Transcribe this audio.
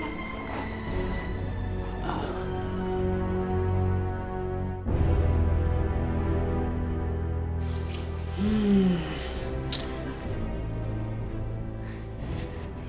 ya ampun bu